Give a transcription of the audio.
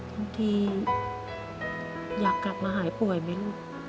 บางทีอยากกลับมาหายป่วยไหมลูก